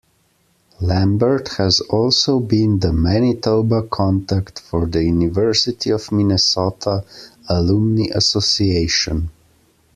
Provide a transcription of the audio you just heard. Lambert has also been the Manitoba contact for the University of Minnesota Alumni Association.